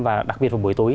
và đặc biệt vào buổi tối